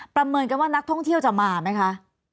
ประเมินกันว่านักท่องเที่ยวจะมาไหมคะ